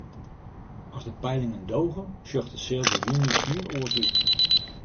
As de peilingen doge, sjocht de seal der nei juny hiel oars út.